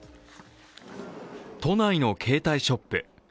都内の携帯ショップ。